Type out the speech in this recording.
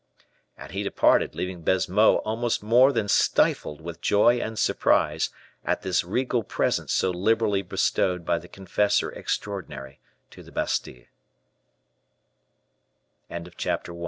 And he departed, leaving Baisemeaux almost more than stifled with joy and surprise at this regal present so liberally bestowed by the confessor extraordinary to the